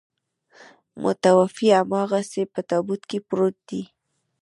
متوفي هماغسې په تابوت کې پروت دی.